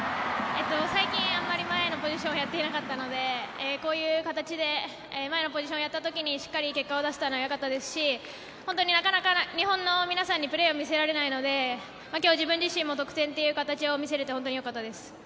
最近、あんまり前のポジションをやっていなかったのでこういう形で前のポジションをやった時にしっかり結果を出せたのはよかったですしなかなか日本の皆さんにプレーを見せられないので今日、自分自身も得点という形を見せられてすごくよかったです。